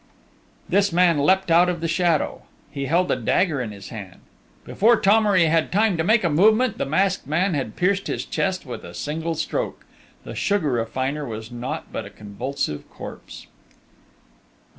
This man had leapt out of the shadow. He held a dagger in his hand. Before Thomery had time to make a movement, the masked man had pierced his chest with a single stroke!... The sugar refiner was naught but a convulsive corpse.